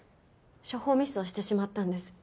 処方ミスをしてしまったんです。